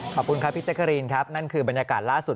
ขอบคุณค่ะพี่จั๊การีนนั่นครอสุด